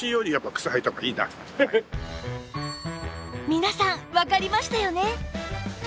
皆さんわかりましたよね！